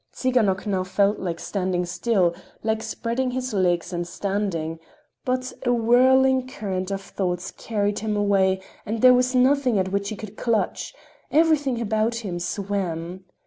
Tsiganok now felt like standing still, like spreading his legs and standing—but a whirling current of thoughts carried him away and there was nothing at which he could clutch—everything about him swam.